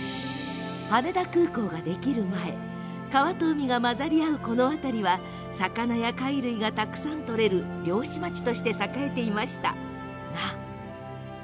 羽田空港ができる前川と海が交ざり合うこの辺りは魚や貝類がたくさん取れる漁師町として栄えていたのだそうです。